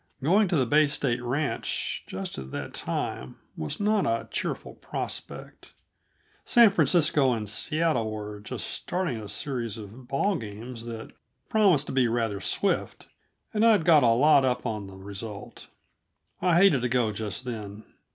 Going to the Bay State Ranch, just at that time, was not a cheerful prospect. San Francisco and Seattle were just starting a series of ballgames that promised to be rather swift, and I'd got a lot up on the result. I hated to go just then.